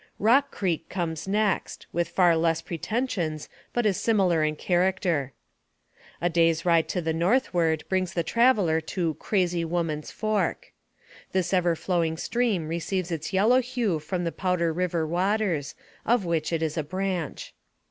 E ock Creek comes next, with far less pretensions, but is similar in character. A day's ride to the northward brings the traveler to Crazy Woman's Fork. This ever flowing stream receives its yellow hue from the Powder River waters, of which it is a branch.